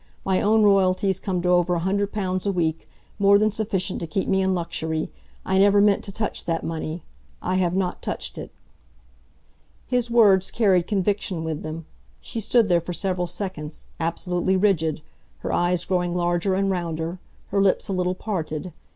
My own royalties come to over a hundred pounds a week more than sufficient to keep me in luxury. I never meant to touch that money. I have not touched it." His words carried conviction with them. She stood there for several seconds, absolutely rigid, her eyes growing larger and rounder, her lips a little parted.